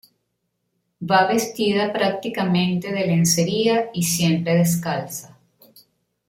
Va vestida prácticamente de lencería y siempre descalza.